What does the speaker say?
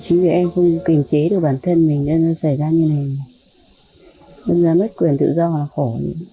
chính vì em không kềm chế được bản thân mình nên nó xảy ra như này nên là mất quyền tự do là khổ